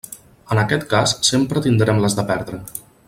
En aquest cas sempre tindrem les de perdre.